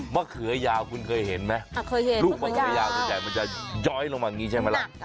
เขือยาวคุณเคยเห็นไหมลูกมะเขือยาวส่วนใหญ่มันจะย้อยลงมาอย่างนี้ใช่ไหมล่ะ